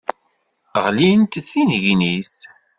Ɣlint d tinnegnit.